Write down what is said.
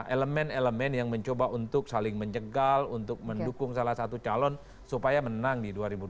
elemen elemen yang mencoba untuk saling menjegal untuk mendukung salah satu calon supaya menang di dua ribu dua puluh